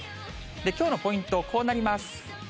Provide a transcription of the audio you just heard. きょうのポイント、こうなります。